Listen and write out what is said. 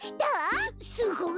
すすごい！